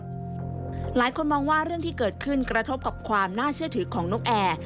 หลายคนมองว่าเรื่องที่เกิดขึ้นกระทบกับความน่าเชื่อถือของนกแอร์